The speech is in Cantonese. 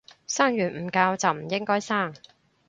生完唔教就唔應該生